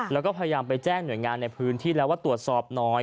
แล้วก็พยายามไปแจ้งหน่วยงานในพื้นที่แล้วว่าตรวจสอบหน่อย